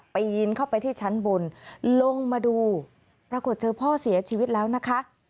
ปีนเข้าไปที่ชั้นบนลงมาดูปรากฏเจอพ่อเสียชีวิตแล้วนะคะ